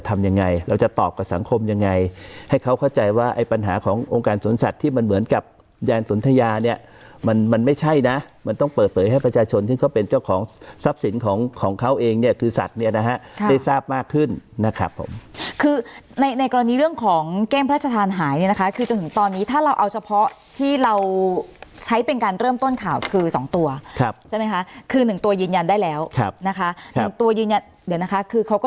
มันเหมือนกับยานสนทะยาเนี่ยมันไม่ใช่นะมันต้องเปิดเปิดให้ประชาชนที่เขาเป็นเจ้าของทรัพย์สินของเขาเองเนี่ยคือสัตว์เนี่ยนะฮะได้ทราบมากขึ้นนะครับผมคือในกรณีเรื่องของแก้งพระราชทานหายเนี่ยนะคะคือจนถึงตอนนี้ถ้าเราเอาเฉพาะที่เราใช้เป็นการเริ่มต้นข่าวคือสองตัวใช่ไหมคะคือหนึ่งตัวยืนยันได้